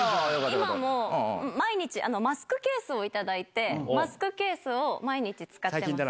今も毎日、マスクケースを頂いて、マスクケースを毎日使ってます。